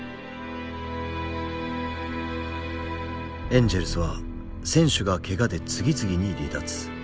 エンジェルスは選手がケガで次々に離脱。